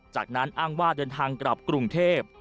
จากนั้นอ้างว่าเดินทางกลับกรุงเทพ